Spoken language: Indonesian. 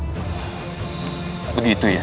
masalah yang terjadi di dunia ini